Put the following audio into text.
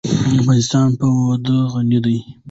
افغانستان په وادي غني دی.